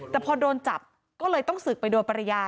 แต่พอโดนจับก็เลยต้องศึกไปโดยปริญญา